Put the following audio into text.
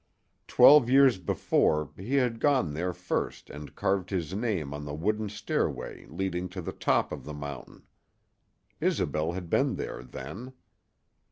Twelve years before he had gone there first and carved his name on the wooden stairway leading to the top of the mountain. Isobel had been there then.